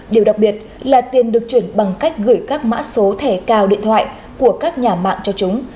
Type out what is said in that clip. điều đặc biệt là tiền được chuyển bằng cách gửi các mã số thẻ cào điện thoại của các nhà mạng cho chúng